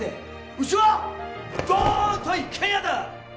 うちは「ドーンと一軒家」だ！